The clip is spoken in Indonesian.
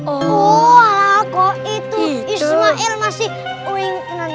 oh kalau itu ismail masih inget kan